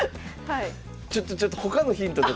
ちょっとちょっと他のヒントのとこ